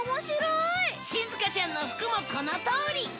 しずかちゃんの服もこのとおり！